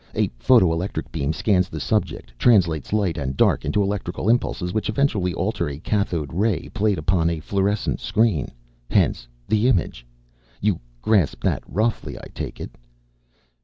A photo electric beam scans the subject, translates light and dark into electrical impulses, which eventually alter a cathode ray played upon a fluorescent screen. Hence, the image. You grasp that roughly, I take it?"